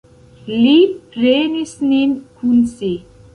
Li prenis nin kun si.